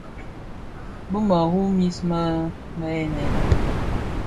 Bi mëru mis më gènè.